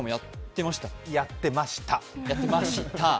やってました。